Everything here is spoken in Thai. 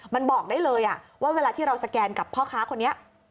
มันบอกได้เลยว่าเวลาที่เราสแกนกับพ่อค้าคนนี้